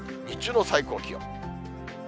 日中の最高気温。